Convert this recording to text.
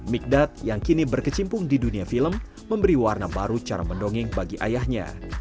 migdat yang kini berkecimpung di dunia film memberi warna baru cara mendongeng bagi ayahnya